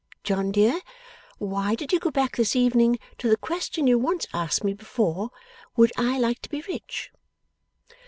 John dear, why did you go back, this evening, to the question you once asked me before would I like to be rich?